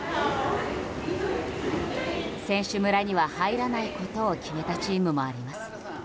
選手村には入らないことを決めたチームもあります。